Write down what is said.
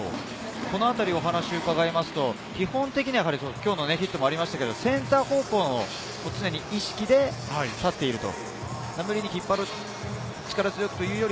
このあたりのお話を伺いますと、基本的には今日のヒットもありましたけれども、センター方向、常にその意識で立っていると。